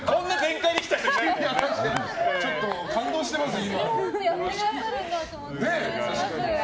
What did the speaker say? ちょっと感動してます、今。